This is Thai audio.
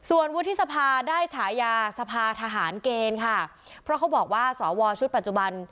ส่วนวุฒิสภาได้ฉายาสภาทหารเกณฑ์ค่ะเพราะเขาบอกว่าสวชุดปัจจุบัน